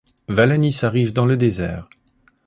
Valanice arrive dans le désert.